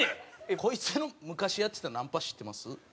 こいつの昔やってたナンパ知ってます？